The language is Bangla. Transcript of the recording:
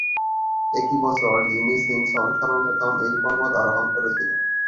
একই বছর জিমি সিম্পসন সর্বপ্রথম এই পর্বত আরোহণ করেছিলেন।